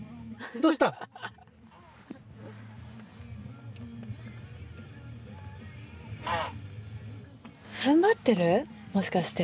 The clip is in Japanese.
どうしたん？